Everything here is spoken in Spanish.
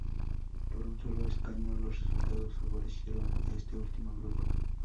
Por un solo escaño, los resultados favorecieron a este último grupo.